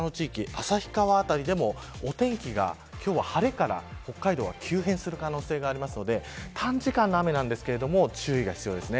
旭川辺りでもお天気が今日は晴れから北海道は急変する可能性があるので短時間の雨なんですが注意が必要です。